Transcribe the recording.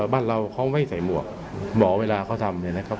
บ้านเราเขาไม่ใส่หมวกหมอเวลาเขาทำเนี่ยนะครับ